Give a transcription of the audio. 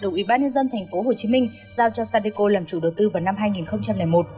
đồng ủy ban nhân dân tp hcm giao cho sadeco làm chủ đầu tư vào năm hai nghìn một